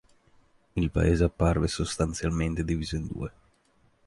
Il paese apparve sostanzialmente diviso in due.